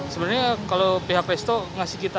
sebenarnya kalau pihak resto ngasih kita